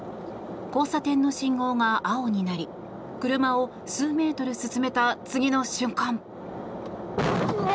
交差点の信号が青になり車を数メートル進めた次の瞬間。